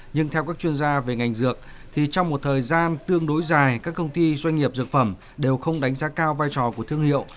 nhưng theo các chuyên gia về ngành dược thì trong một thời gian tương đối dài các công ty doanh nghiệp dược phẩm đều không đánh giá cao vai trò của thương hiệu